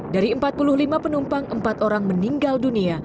dari empat puluh lima penumpang empat orang meninggal dunia